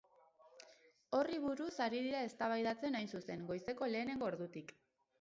Horri buruz ari dira eztabaidatzen, hain zuzen, goizeko lehenengo ordutik.